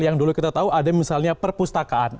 yang dulu kita tahu ada misalnya perpustakaan